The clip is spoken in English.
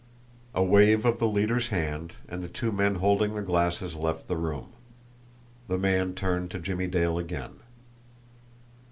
A wave of the leader's hand, and the two men holding the glasses left the room. The man turned to Jimmie Dale again.